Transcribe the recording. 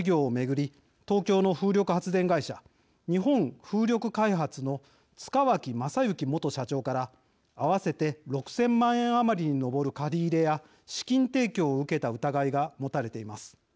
東京の風力発電会社日本風力開発の塚脇正幸元社長から合わせて６，０００万円余りに上る借り入れや資金提供を受けた疑いがもたれています。